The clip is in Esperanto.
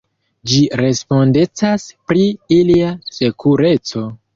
Ĝi respondecas pri ilia sekureco.